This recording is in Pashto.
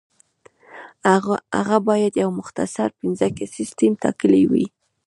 هغه باید یو مختصر پنځه کسیز ټیم ټاکلی وای.